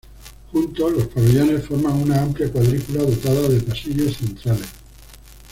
Juntos, los pabellones forman una amplia cuadrícula dotada de pasillos centrales.